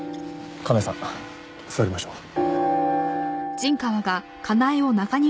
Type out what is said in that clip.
叶絵さん座りましょう。